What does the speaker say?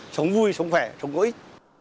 sống vui sống khỏe sống có ích